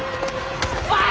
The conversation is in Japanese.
おい！